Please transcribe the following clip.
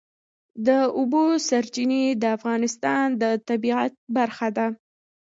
د اوبو سرچینې د افغانستان د طبیعت برخه ده.